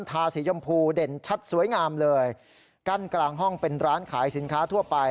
ทาสียมพูเด่นชัดสวยงามเลยกั้นกลางห้องเป็นร้านขายสินค้าทั่วไป